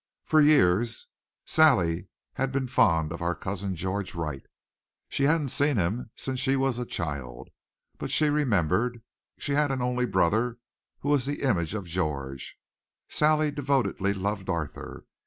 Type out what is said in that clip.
For years Sally had been fond of our cousin, George Wright. She hadn't seen him since she was a child. But she remembered. She had an only brother who was the image of George. Sally devotedly loved Arthur.